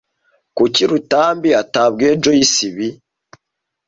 Kuki Rutambi atabwiye Joyce ibi?